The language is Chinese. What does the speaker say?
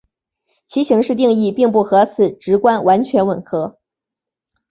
其形式定义并不和此直观完全吻合。